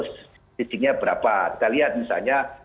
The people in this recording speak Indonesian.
sensingnya berapa kita lihat misalnya